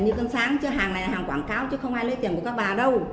như cơm sáng hàng này là hàng quảng cáo chứ không ai lấy tiền của các bà đâu